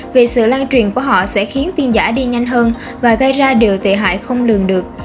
vì sự lan truyền của họ sẽ khiến tin giả đi nhanh hơn và gây ra điều tệ hại không lường được